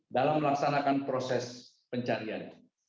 dalam melaksanakan proses pencarian